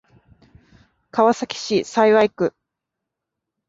川崎市幸区